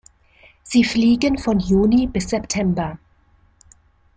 Sie fliegen von Juni bis September.